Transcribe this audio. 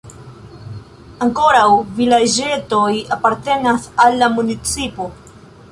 Ankoraŭ vilaĝeto apartenas al la municipo.